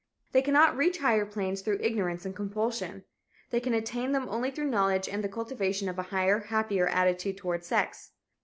They cannot reach higher planes through ignorance and compulsion. They can attain them only through knowledge and the cultivation of a higher, happier attitude toward sex.